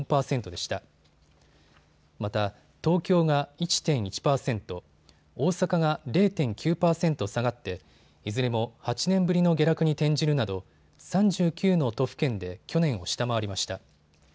また東京が１．１％、大阪が０．９％下がっていずれも８年ぶりの下落に転じるなど３９の都府県で去年を下回りました。